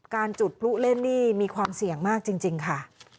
จุดพลุเล่นนี่มีความเสี่ยงมากจริงค่ะ